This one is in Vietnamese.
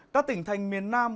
các tỉnh thành miền nam